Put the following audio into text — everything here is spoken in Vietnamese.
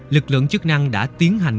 lực lượng chức năng đã tiến hành